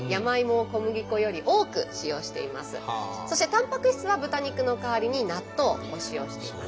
そしてたんぱく質は豚肉の代わりに納豆を使用しています。